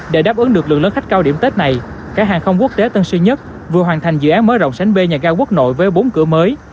để đáp ứng được lượng lớn khách cao điểm tết này cái hàng không quốc tế tân sơn nhất vừa hoàn thành dự án mới rộng sánh bê nhà cao quốc nội với bốn cửa mới